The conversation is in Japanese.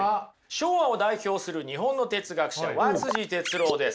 昭和を代表する日本の哲学者和哲郎です。